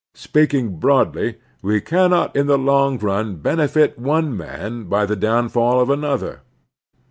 Speaking broadly, we cannot in the long run benefit one man by the downfall of another.